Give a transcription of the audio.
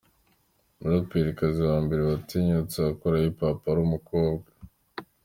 muraperikazi wa mbere watinyutse akora hip hop ari umukobwa.